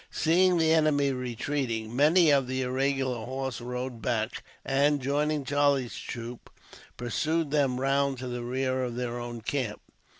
Seeing the enemy retreating, many of the irregular horse rode back, and, joining Charlie's troop, pursued them round to the rear of their own camp.